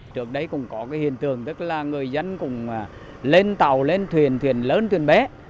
trước đấy cũng có hiện tượng tức là người dân cũng lên tàu lên thuyền thuyền lớn thuyền bé